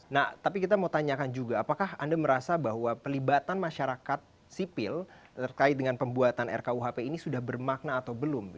nah tapi kita mau tanyakan juga apakah anda merasa bahwa pelibatan masyarakat sipil terkait dengan pembuatan rkuhp ini sudah bermakna atau belum